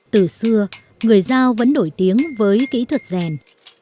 từ xưa người giao vẫn nổi tiếng với kỹ thuật rèn